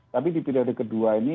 tapi di periode kedua ini